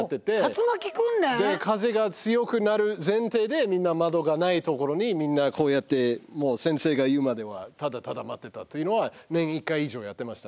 竜巻訓練？で風が強くなる前提でみんな窓がない所にみんなこうやってもう先生が言うまではただただ待ってたというのは年１回以上やってましたね